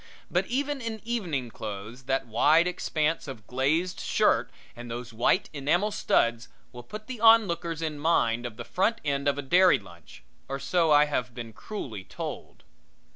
But even in evening clothes, that wide expanse of glazed shirt and those white enamel studs will put the onlookers in mind of the front end of a dairy lunch or so I have been cruelly told.